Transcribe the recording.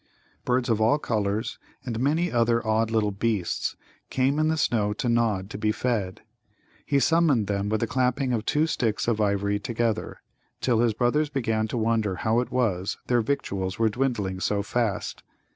Birds of all colours and many other odd little beasts came in the snow to Nod to be fed. He summoned them with the clapping of two sticks of ivory together, till his brothers began to wonder how it was their victuals were dwindling so fast.